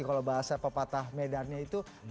kalau bahasa pepatah medannya itu